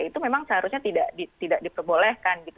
itu memang seharusnya tidak diperbolehkan gitu